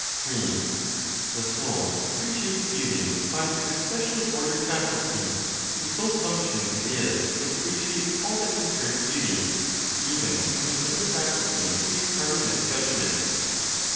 3. The soul appreciates beauty by an especially ordered faculty, whose sole function it is to appreciate all that concerns beauty, even when the other faculties take part in this judgment.